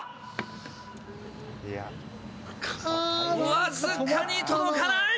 僅かに届かない。